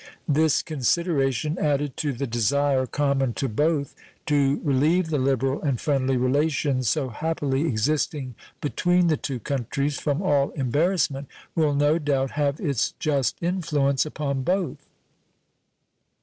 This consideration, added to the desire common to both to relieve the liberal and friendly relations so happily existing between the two countries from all embarrassment, will no doubt have its just influence upon both.